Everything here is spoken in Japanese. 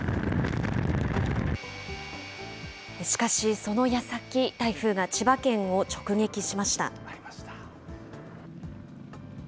しかし、そのやさき、台風が千葉県を直撃しました。